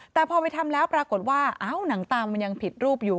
แต่พอไปทำแล้วปรากฏว่าอ้าวหนังตามันยังผิดรูปอยู่